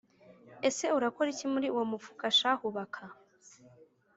ese urakora iki muri uwo mufuka shahu baka?”